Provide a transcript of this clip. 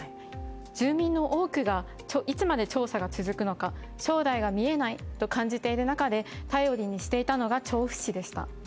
住民の多くがいつまで調査が続くのか将来が見えないと感じている中で、頼りにしていたのが調布市でした。